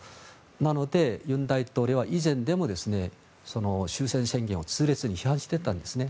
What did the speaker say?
なので尹大統領は以前も終戦宣言を痛烈に批判していたんですね。